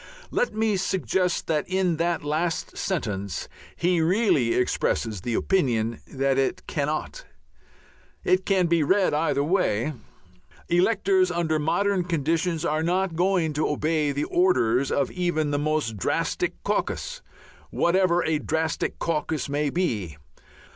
Let me suggest that in that last sentence he really expresses the opinion that it cannot. It can be read either way. Electors under modern conditions are not going to obey the "orders" of even the "most drastic caucus" whatever a "drastic caucus" may be.